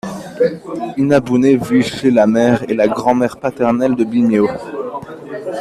Inabune vit chez la mère et la grand-mère paternelle de Bimyō.